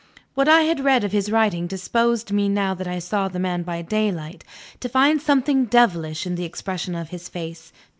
What I had read of his writing disposed me, now that I saw the man by daylight, to find something devilish in the expression of his face.